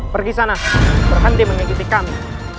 pergi sana berhenti mengikuti kami